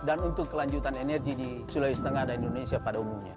dan untuk kelanjutan energi di sulawesi tengah dan indonesia pada umumnya